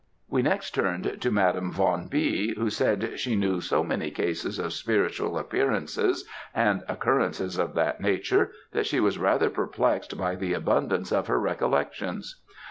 We next turned to Madame Von B., who said she knew so many cases of spiritual appearances, and occurrences of that nature, that she was rather perplexed by the abundance of her recollections.